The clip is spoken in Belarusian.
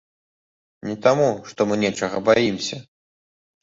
Не таму, што мы нечага баімся!